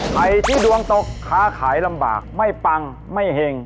ใครที่ดวงตกค้าขายลำบากไม่ปังไม่เห็ง